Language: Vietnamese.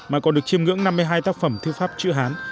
mà còn được chiêm ngưỡng năm mươi hai tác phẩm thư pháp chữ hán